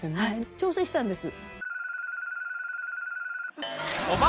挑戦したんです。